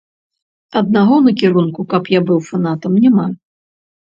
Аднаго накірунку, каб я быў фанатам, няма.